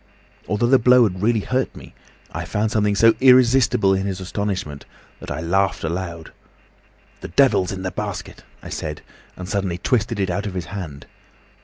Although the blow had really hurt me, I found something so irresistible in his astonishment that I laughed aloud. 'The devil's in the basket,' I said, and suddenly twisted it out of his hand.